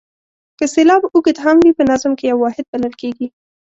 که سېلاب اوږد هم وي په نظم کې یو واحد بلل کیږي.